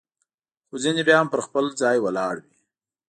خو ځیني بیا هم پر خپل ځای ولاړ وي.